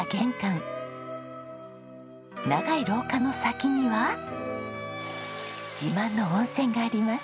長い廊下の先には自慢の温泉があります。